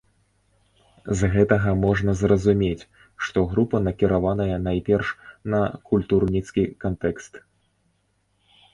З гэтага можна зразумець, што група накіраваная найперш на культурніцкі кантэкст.